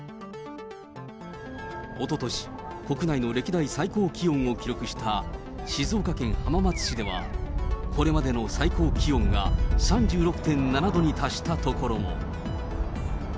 おととし、国内の歴代最高気温を記録した静岡県浜松市では、これまでの最高気温が３６．７度に達した所も。